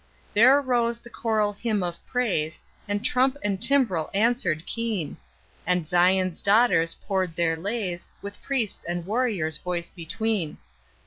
There rose the choral hymn of praise, And trump and timbrel answer'd keen, And Zion's daughters pour'd their lays, With priest's and warrior's voice between.